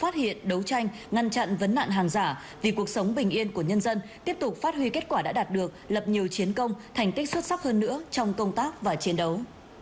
thành tích xuất sắc hơn nữa trong công tác và chiến đấu